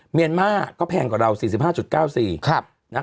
เมียนมาร์ก็แพงกว่าเรา๔๕๙๔